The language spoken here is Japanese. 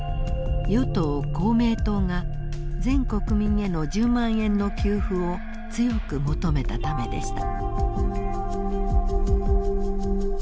与党公明党が全国民への１０万円の給付を強く求めたためでした。